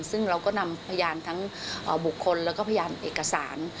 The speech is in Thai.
ซึ่งเราก็นำพยานทั้งบุคคลแล้วก็พยานเอกสาร